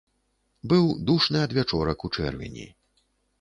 Быў душны адвячорак у чэрвені.